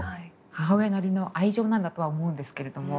母親なりの愛情なんだとは思うんですけれども。